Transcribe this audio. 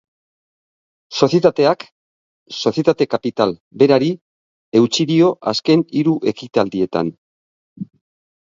Sozietateak sozietate kapital berari eutsi dio azken hiru ekitaldietan.